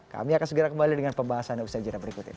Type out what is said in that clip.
kami akan segera kembali dengan pembahasan usaha jadwal berikut ini